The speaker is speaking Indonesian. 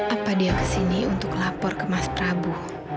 apa dia kesini untuk lapor ke mas prabu